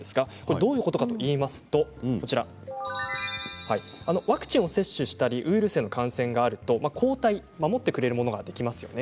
どういうことかといいますとワクチンを接種したりウイルスへの感染があると抗体守ってくれるものができますよね。